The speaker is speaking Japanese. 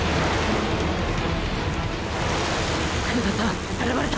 黒田さん並ばれた！！